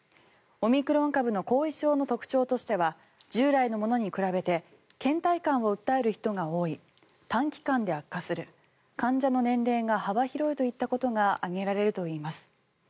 オミクロン株の後遺症の特徴としては従来のものに比べてけん怠感を訴える人が多い短期間で悪化する患者の年齢が幅広いといったことが挙げられるといいます。